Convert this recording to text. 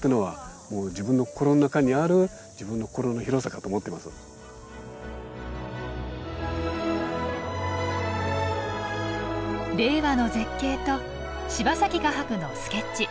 だからこれは令和の絶景と柴崎画伯のスケッチ。